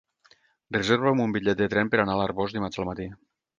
Reserva'm un bitllet de tren per anar a l'Arboç dimarts al matí.